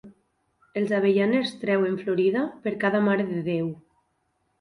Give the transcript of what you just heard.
Els avellaners treuen florida per cada Mare de Déu.